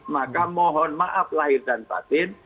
maka mohon maaf lahir dan batin